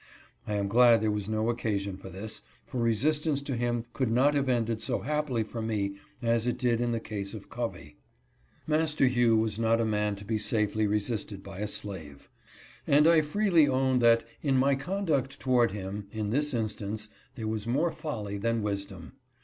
I am glad there was no occasion for this, for resistance to him could not have ended so happily for me as it did in RESOLVED TO ESCAPE. 239 the case of Covey. Master Hugh was not a man to be safely resisted by a slave ; and I freely own that in my conduct toward him, in this instance, there was more folly than wisdom.